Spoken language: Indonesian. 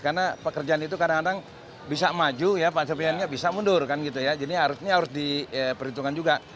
karena pekerjaan itu kadang kadang bisa maju panjabinannya bisa mundur jadi ini harus diperhitungkan juga